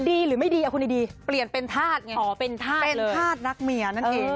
ดีหรือไม่ดีเอาคุณดีเปลี่ยนเป็นธาตุไงขอเป็นธาตุเป็นธาตุรักเมียนั่นเอง